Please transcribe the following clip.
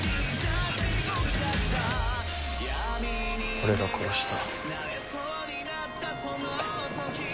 俺が殺した。